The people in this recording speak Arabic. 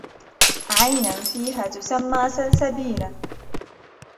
عَيْنًا فِيهَا تُسَمَّى سَلْسَبِيلًا